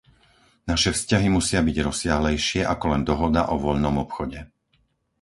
Naše vzťahy musia byť rozsiahlejšie ako len dohoda o voľnom obchode.